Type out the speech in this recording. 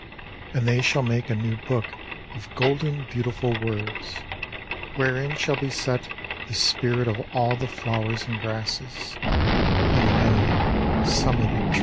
And they shall make a new Book of golden beauti ful words, Wherein shall be set the spirit of all the flowers and grasses, And the many summited trees.